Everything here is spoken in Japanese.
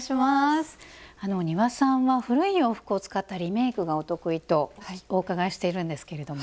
丹羽さんは古い洋服を使ったリメイクがお得意とお伺いしているんですけども。